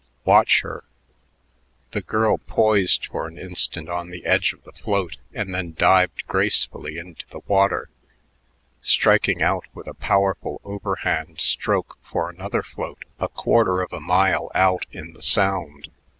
Watch her." The girl poised for an instant on the edge of the float and then dived gracefully into the water, striking out with a powerful overhand stroke for another float a quarter of a mile out in the Sound.